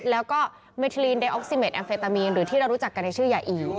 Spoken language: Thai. แล้วก็เมทิลีนเดออกซิเมดแอมเฟตามีนหรือที่เรารู้จักกันในชื่อยาอิว